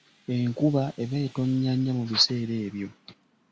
Enkuba eba etonnya nnyo mu biseera ebyo.